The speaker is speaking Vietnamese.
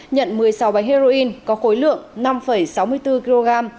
nhận một mươi sáu bánh heroin có khối lượng năm sáu mươi bốn kg